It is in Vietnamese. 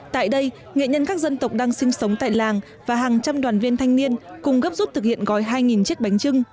tại đây nghệ nhân các dân tộc đang sinh sống tại làng và hàng trăm đoàn viên thanh niên cùng gấp rút thực hiện gói hai chiếc bánh trưng